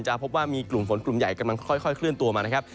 พบว่ามีกลุ่มฝนกลุ่มใหญ่กำลังค่อยเคลื่อนตัวมานะครับ